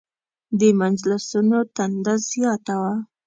د مجلسونو تنده زیاته وه.